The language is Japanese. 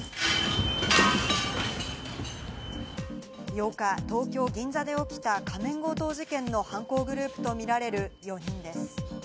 ８日、東京・銀座で起きた、仮面強盗事件の犯行グループとみられる４人です。